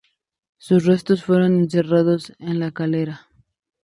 Sus restos fueron enterrados en La Calera.